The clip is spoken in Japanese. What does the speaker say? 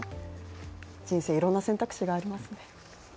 人生いろんな選択肢がありますね。